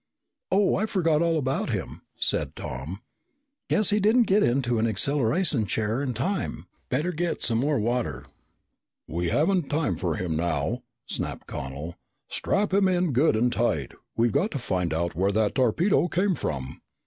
"Oh, I forgot all about him," said Tom. "Guess he didn't get into an acceleration chair in time. Better get some more water." "We haven't time for him now!" snapped Connel. "Strap him in good and tight. We've got to find out where that torpedo came from."